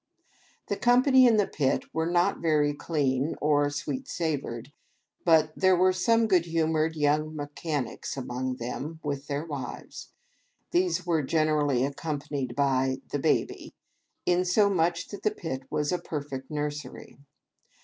The company in the pit were not very clean or sweet savored, but there were some good humored young me chanics among them, with their wives. These were gener ally accompanied by " the baby, " insomuch that the pit was a perfect nursery.